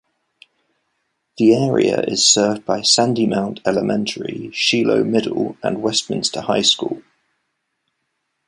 The area is served by Sandymount Elementary, Shiloh Middle, and Westminster High School.